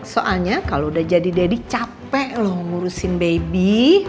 soalnya kalau udah jadi deddy capek loh ngurusin baby